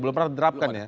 belum pernah diterapkan ya